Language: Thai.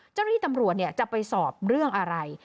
เจ้าหน้าที่ตำรวจจะไปสอบเรื่องอะไร